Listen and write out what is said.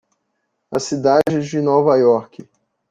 A cidade de Nova York.